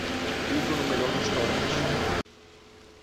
livro no melhor restaurante